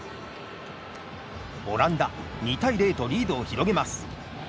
オランダ、２対０とリードを広げます。